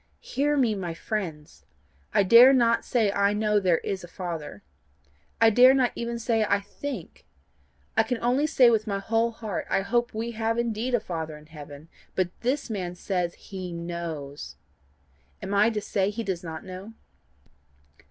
Hear me, my friends: I dare not say I know there is a Father. I dare not even say I think, I can only say with my whole heart I hope we have indeed a Father in heaven; but this man says HE KNOWS. Am I to say he does not know?